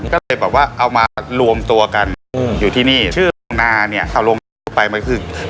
ก็เลยแบบว่าเอามารวมตัวกันอืมอยู่ที่นี่ชื่อเนี้ยเอาลงไปมันคือ